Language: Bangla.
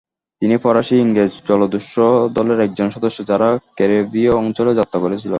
তিনি ফরাসি-ইংরেজ জলদস্যু দলের একজন সদস্য যারা ক্যারিবীয় অঞ্চলে যাত্রা করেছিল।